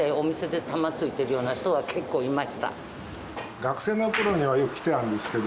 学生の頃にはよく来てたんですけど。